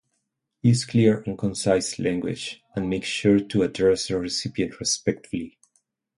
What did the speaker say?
Use clear and concise language, and make sure to address the recipient respectfully.